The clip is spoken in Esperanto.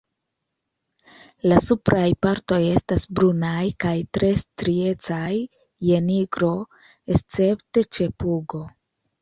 La supraj partoj estas brunaj kaj tre striecaj je nigro, escepte ĉe pugo.